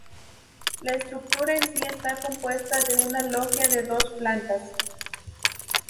La estructura en sí está compuesta de una logia de dos plantas.